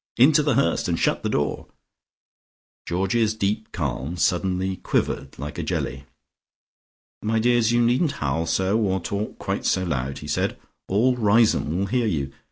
"Into The Hurst and shut the door " Georgie's deeper calm suddenly quivered like a jelly. "My dears, you needn't howl so, or talk quite so loud," he said. "All Riseholme will hear you.